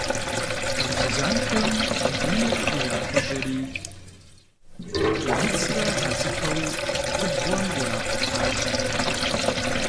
Партизанхэм бийр ирахужьэри, бжэныцрэ хьэцыпэу губгъуэм иракъухьащ.